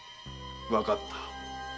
わかった。